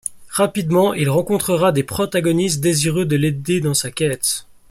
Rapidement, il rencontrera des protagonistes désireux de l'aider dans sa quête.